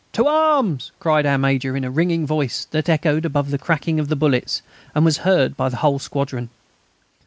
"To arms!" cried our Major, in a ringing voice that echoed above the crackling of the bullets and was heard by the whole squadron.